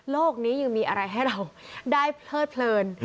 นี้ยังมีอะไรให้เราได้เพลิดเพลิน